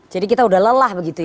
jadi kita udah lelah begitu ya